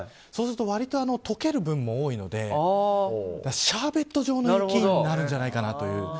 そうすると、解ける量も多いのでシャーベット状の雪になるんじゃないかなという。